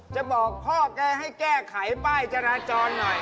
จะบอกพ่อแกให้แก้ไขป้ายจราจรหน่อย